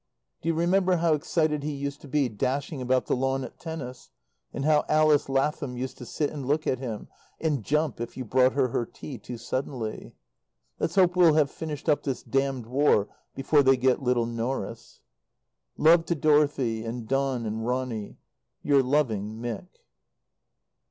Do you remember how excited he used to be dashing about the lawn at tennis, and how Alice Lathom used to sit and look at him, and jump if you brought her her tea too suddenly? Let's hope we'll have finished up this damned War before they get little Norris. Love to Dorothy and Don and Ronny. Your loving, MICK.